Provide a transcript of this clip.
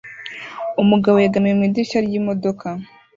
Umugabo yegamiye mu idirishya ryimodoka